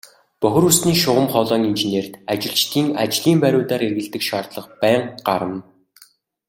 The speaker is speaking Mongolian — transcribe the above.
Бохир усны шугам хоолойн инженерт ажилчдын ажлын байруудаар эргэлдэх шаардлага байнга гарна.